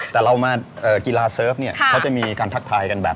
แต่เรามากีฬาเซิร์ฟเนี่ยเขาจะมีการทักทายกันแบบ